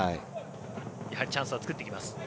やはりチャンスは作ってきます。